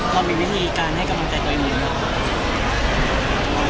แล้วมีวิธีการให้กำลังใจตัวเองอยู่หรือเปล่า